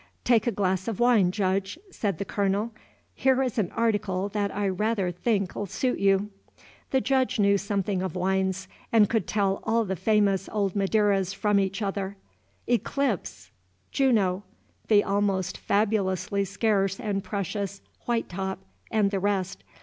"Take a glass of wine, Judge," said, the Colonel; "here is an article that I rather think 'll suit you." The Judge knew something of wines, and could tell all the famous old Madeiras from each other, "Eclipse," "Juno," the almost fabulously scarce and precious "White top," and the rest.